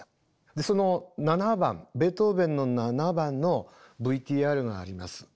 その７番ベートーヴェンの７番のＶＴＲがあります。